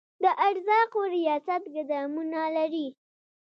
د ارزاقو ریاست ګدامونه لري؟